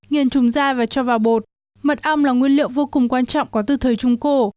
bánh gừng là một nguyên liệu vô cùng quan trọng có từ thời trung cổ